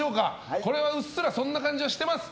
これはうっすらそんな感じはしています。